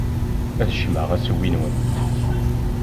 Ad jjmeɣ assewwi-nwent.